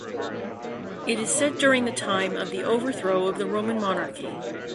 It is set during the time of the Overthrow of the Roman monarchy.